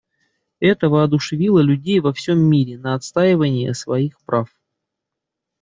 Это воодушевило людей во всем мире на отстаивание своих прав.